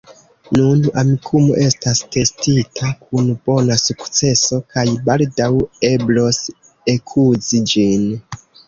Nun Amikumu estas testita kun bona sukceso kaj baldaŭ eblos ekuzi ĝin.